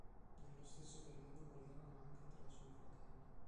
Nello stesso periodo morirono anche tre suoi fratelli.